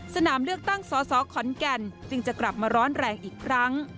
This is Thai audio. สนามเลือกตั้งสอสอขอนแก่นจึงจะกลับมาร้อนแรงอีกครั้ง